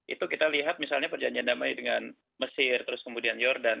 itu kita lihat misalnya perjanjian damai dengan mesir terus kemudian jordan